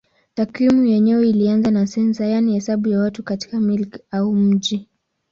Takwimu yenyewe ilianza na sensa yaani hesabu ya watu katika milki au mji.